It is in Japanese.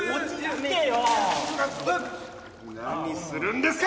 何するんですか！